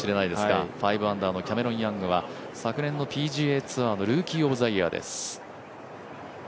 ５アンダーのキャメロン・ヤングは、昨年のＰＧＡツアーのルーキー・オブ・ザ・イヤーです。